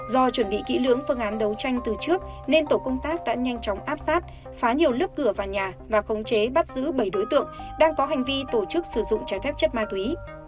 do chuẩn bị kỹ lưỡng phương án đấu tranh từ trước nên tổ công tác đã nhanh chóng áp sát phá nhiều lớp cửa vào nhà và khống chế bắt giữ bảy đối tượng đang có hành vi tổ chức sử dụng trái phép chất ma túy